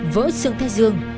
vỡ xương thai dương